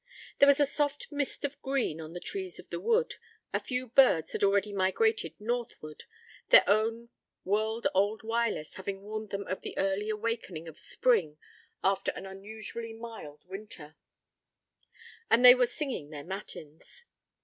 There was a soft mist of green on the trees of the wood, a few birds had already migrated northward, their own world old wireless having warned them of the early awakening of spring after an unusually mild winter, and they were singing their matins.